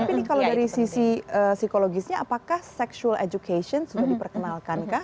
tapi kalau dari sisi psikologisnya apakah sexual education sudah diperkenalkan kah